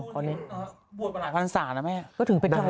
บวชประหลาดพันธ์ศาลนะแม่ก็ถึงเป็นใครแล้ว